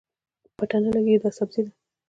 پته نه لګي دا سبزي ده